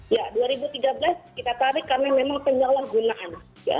ya dua ribu tiga belas kita tarik karena memang penyalahgunaan